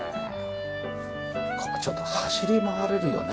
ここちょっと走り回れるよね。